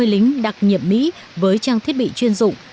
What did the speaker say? ba mươi lính đặc nhiệm mỹ với trang thiết bị chuyên dụng